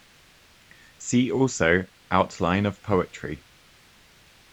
See also: outline of poetry.